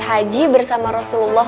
haji bersama rasulullah